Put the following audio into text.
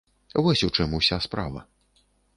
Вось у чым уся справа.